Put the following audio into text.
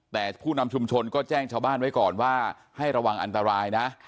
แต่ผู้นำชุมชนก็แจ้งชาวบ้านไว้ก่อนว่าให้ระวังอันตรายนะ